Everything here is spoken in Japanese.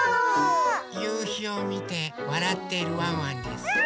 ゆうひをみてわらってるワンワンです。